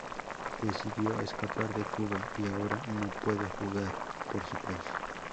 Decidió escapar de Cuba, y ahora no puede jugar por su país.